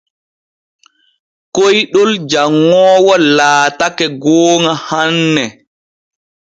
Koyɗol janŋoowo laatake gooŋa hanne.